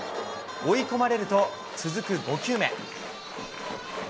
追い込まれると続く５球目。